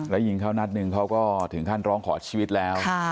แล้วยิงเขานัดหนึ่งเขาก็ถึงขั้นร้องขอชีวิตแล้ว